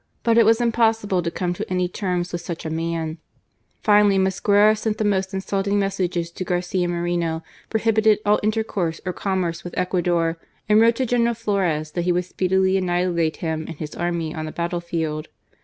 But it was impossible to come to any terms with such a man. Finally Mosquera sent the most insulting messages to Garcia Moreno, prohibited all intercourse or commerce with Ecuador, and wrote to General Flores that he would speedily annihilate him and his army on the battlefield.